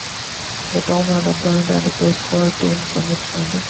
The town had a band and baseball team from its founding.